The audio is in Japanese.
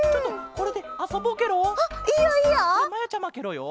これまやちゃまケロよ。